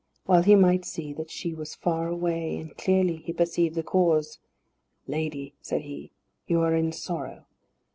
Well he might see that she was far away, and clearly he perceived the cause. "Lady," said he, "you are in sorrow.